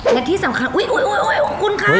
และที่สำคัญอุ๊ยขอบคุณค่ะ